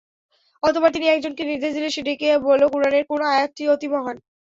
অতঃপর তিনি একজনকে নির্দেশ দিলে সে ডেকে বলল, কুরআনের কোন আয়াতটি অতি মহান?